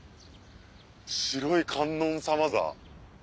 白い観音様だ。